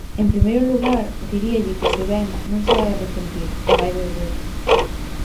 En primeiro lugar, diríalle que se vén non se vai arrepentir e vai volver.